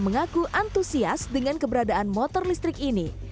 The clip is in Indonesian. mengaku antusias dengan keberadaan motor listrik ini